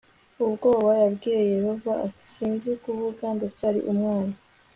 ubwoba yabwiye yehova ati sinzi kuvuga ndacyari umwana